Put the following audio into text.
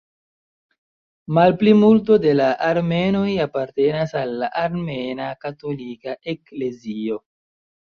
Malplimulto de la armenoj apartenas al la Armena Katolika Eklezio.